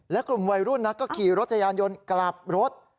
และกลุ่มวัยรุ่นก็ขี่รถจักรยานยนต์กลับรถ